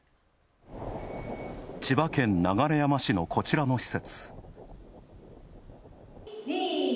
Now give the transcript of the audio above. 千葉県流山市のこちらの施設。